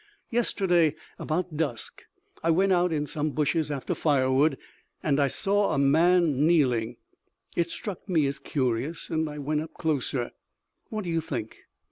"Yesterday about dusk I went out in some bushes after firewood, and I saw a man kneeling. It struck me as curious, and I went up closer. What do you think?